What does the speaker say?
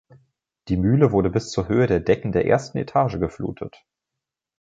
Die Mühle wurde bis zur Höhe der Decken der ersten Etage geflutet.